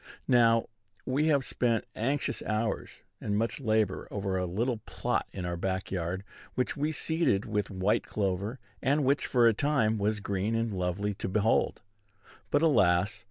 Now, we have spent anxious hours and much labor over a little plot in our back yard, which we seeded with white clover, and which, for a time, was green and lovely to behold; but, alas!